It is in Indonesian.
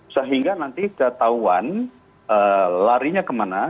sehingga nanti ketahuan larinya kemana